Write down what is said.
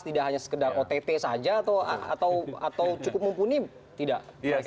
tidak hanya sekedar ott saja atau cukup mumpuni tidak mereka